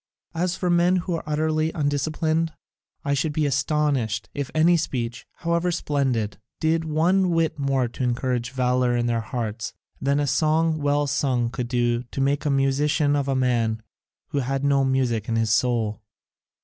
As for men who are utterly undisciplined, I should be astonished if any speech, however splendid, did one whit more to encourage valour in their hearts than a song well sung could do to make a musician of a man who had no music in his soul."